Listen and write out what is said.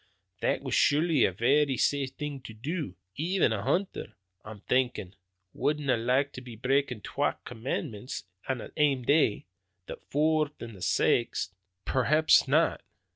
"That was surely a varra safe thing to do. Even a hunter, I'm thinkin', wouldna like to be breakin' twa commandments in the ane day the foorth and the saxth!" "Perhaps not.